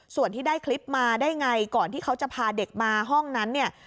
ส่วนที่ได้คลิปมาได้ไงก่อนที่เขาจะพาเด็กมาห้องนั้นเนี่ย